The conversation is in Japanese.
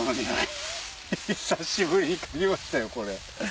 久しぶりに嗅ぎましたよこれ。